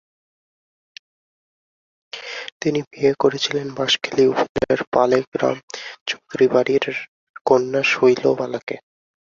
তিনি বিয়ে করেছিলেন বাশখালী উপজেলার পালেগ্রাম চৌধুরীবাড়ীর কন্যা শৈলবালাকে।